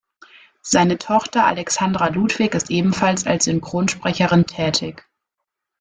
Seine Tochter Alexandra Ludwig ist ebenfalls als Synchronsprecherin tätig.